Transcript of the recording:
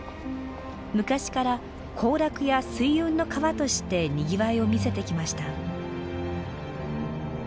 昔から行楽や水運の川としてにぎわいを見せてきました。